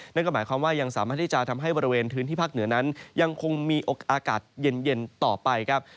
นั่นก็หมายความว่ายังสามารถที่จะทำให้บริเวณพื้นที่ภาคเหนือนั้นยังคงมีอากาศเย็นต่อไปครับ